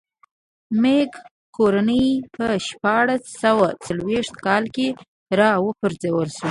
مینګ کورنۍ په شپاړس سوه څلوېښت کاله کې را و پرځول شوه.